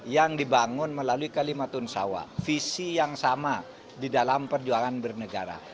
yang dibangun melalui kalimatun sawah visi yang sama di dalam perjuangan bernegara